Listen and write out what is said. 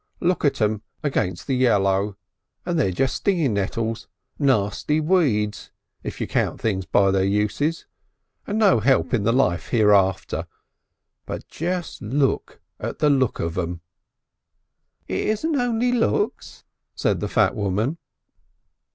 "Look at 'em against the yellow and they're just stingin' nettles. Nasty weeds if you count things by their uses. And no help in the life hereafter. But just look at the look of them!" "It isn't only looks," said the fat woman.